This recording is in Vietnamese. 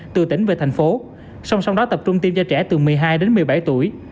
từ tỉnh về thành phố song song đó tập trung tiêm cho trẻ từ một mươi hai đến một mươi bảy tuổi